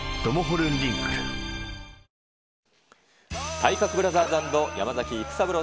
体格ブラザーズ＆山崎育三郎